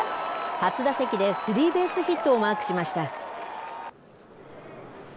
初打席でスリーベースヒットをマークしました。